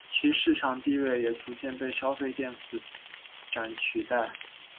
其市场地位也逐渐被消费电子展取代。